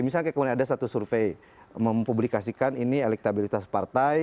misalnya kemudian ada satu survei mempublikasikan ini elektabilitas partai